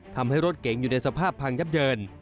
ทำให้รถเก๋งอยู่ในสภาพพังยับเยิน